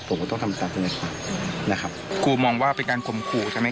ผมก็ต้องทำตามทนายความนะครับครูมองว่าเป็นการข่มขู่ใช่ไหม